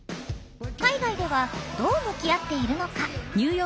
海外ではどう向き合っているのか。